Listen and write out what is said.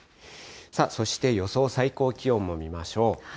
さあ、そして予想最高気温も見ましょう。